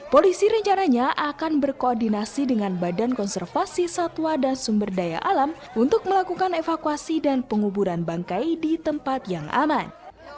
polisi rencananya akan berkoordinasi dengan badan konservasi satwa dan sumber daya alam untuk melakukan evakuasi dan penguburan bangkai di tempat yang aman